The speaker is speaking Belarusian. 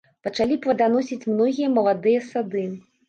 Пачалі пладаносіць многія маладыя сады.